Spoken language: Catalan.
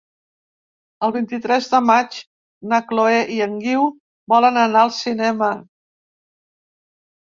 El vint-i-tres de maig na Chloé i en Guiu volen anar al cinema.